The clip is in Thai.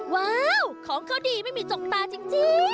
ว้าวของเขาดีไม่มีจกตาจริง